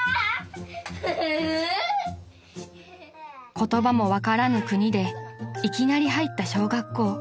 ［言葉も分からぬ国でいきなり入った小学校］